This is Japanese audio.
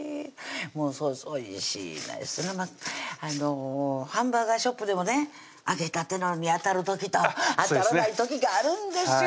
もうそうですおいしいですねハンバーガーショップでもね揚げたてのんに当たる時と当たらない時があるんですよ